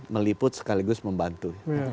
meliput sekaligus membantu